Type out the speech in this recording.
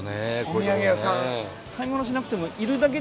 お土産屋さん。